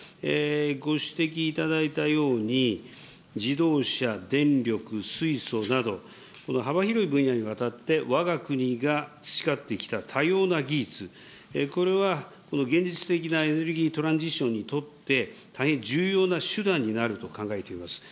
ご指摘いただいたように、自動車、電力、水素など、この幅広い分野にわたって、わが国が培ってきた多様な技術、これはこの現実的なエネルギートランジッションにとって大変重要な手段になると考えています。